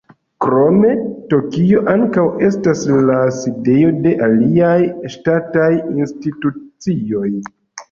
Krome Tokio ankaŭ estas la sidejo de aliaj ŝtataj institucioj.